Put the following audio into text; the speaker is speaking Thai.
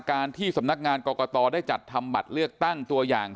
การที่สำนักงานกลัวกตอได้จัดทำบัตรเลือกตั้ง